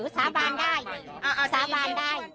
สาบานได้สาบานได้